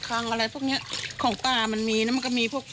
เขาก็เป็นพ่อป่อยอยู่ที่นี่ด้วยใช่ไหมครับ